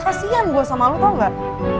kasian gua sama lo tau gak